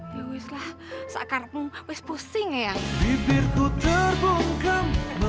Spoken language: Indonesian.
ya wis lah saat karepmu wis pusing ya yang